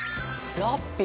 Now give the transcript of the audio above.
ラッピィ！